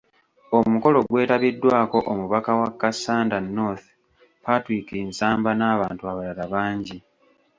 Omukolo gwetabiddwako omubaka wa Kassanda North, Patrick Nsamba n'abantu abalala bangi.